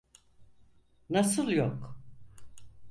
Nasıl yok?